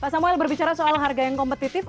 samuel berbicara soal harga yang kompetitif